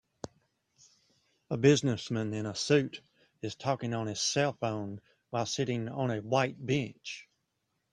A businessman in a suit is talking on his cellphone while sitting on a white bench.